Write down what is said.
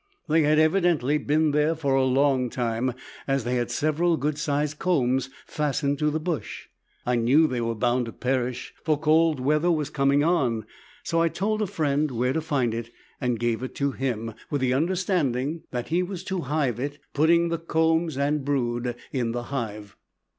They had evidently been there for a long time as they had several good sized combs fastened to the bush. I knew they were bound to perish, for cold weather was coming on, so I told a friend where to find it, and gave it to him with the understanding that he was to hive it, putting the combs and brood in the hive.